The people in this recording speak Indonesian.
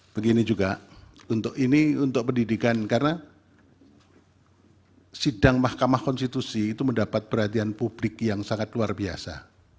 begini juga untuk ini untuk pendidikan karena sidang mahkamah konstitusi itu mendapat perhatian publik yang sangat luar biasa